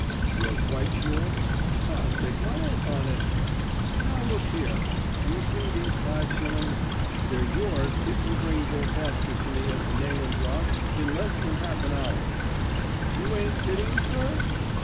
"You're quite sure?" "I'll take my oath on it." "Now look here? Do you see these five shillings? They're yours if you bring Bill Foster to me at the Nayland Rock in less than half an hour." "You ain't kidding, sir?"